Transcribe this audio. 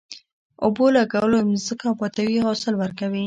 اوبو لګول ځمکه ابادوي او حاصل ورکوي.